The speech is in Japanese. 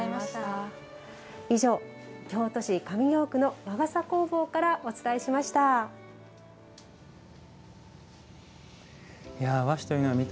以上、京都市上京区の和傘工房からお伝えしました。